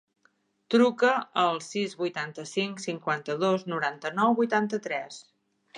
Truca al sis, vuitanta-cinc, cinquanta-dos, noranta-nou, vuitanta-tres.